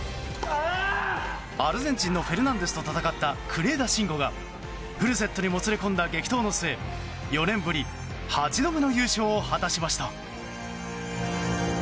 アルゼンチンのフェルナンデスと戦った国枝慎吾がフルセットにもつれ込んだ激闘の末４年ぶり８度目の優勝を果たしました。